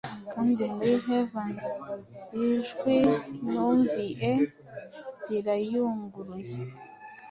Kandi muri Heavn ijwi numvie, rirayunguruye